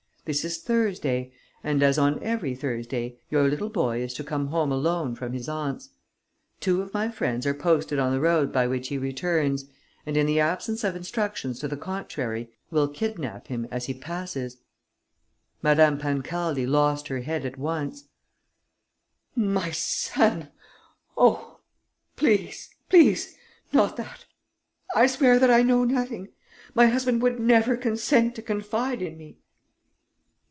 This is Thursday and, as on every Thursday, your little boy is to come home alone from his aunt's. Two of my friends are posted on the road by which he returns and, in the absence of instructions to the contrary, will kidnap him as he passes." Madame Pancaldi lost her head at once: "My son! Oh, please, please ... not that!... I swear that I know nothing. My husband would never consent to confide in me."